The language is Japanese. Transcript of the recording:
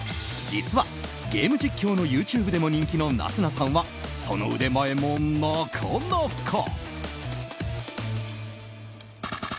実は、ゲーム実況のＹｏｕＴｕｂｅでも人気の夏菜さんはその腕前もなかなか。